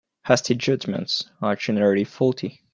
Hasty judgements are generally faulty.